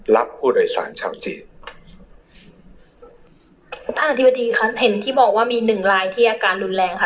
รับผู้โดยสารชาวจีนท่านอธิบดีครับเห็นที่บอกว่ามีหนึ่งลายที่อาการรุนแรงค่ะ